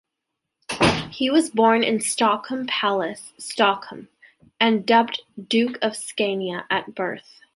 He was born in Stockholm Palace, Stockholm, and dubbed Duke of Scania at birth.